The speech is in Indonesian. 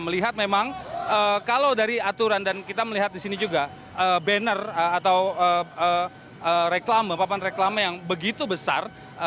melihat memang kalau dari aturan dan kita melihat di sini juga banner atau papan reklama yang begitu besar